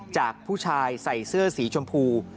จากผู้ชายใส่เสื้อสีชมพู